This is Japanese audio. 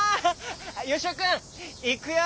よしおくんいくよ！